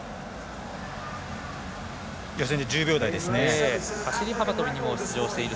予選では１０秒台でした。